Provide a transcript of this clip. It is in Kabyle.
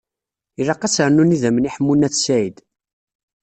Ilaq ad s-rnun idammen i Ḥemmu n At Sɛid.